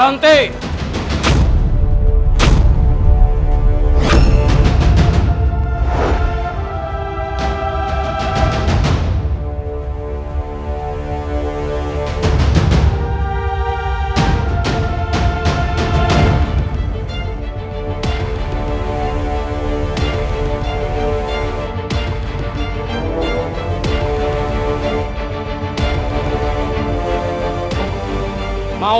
saya kembali ke kehidupanmu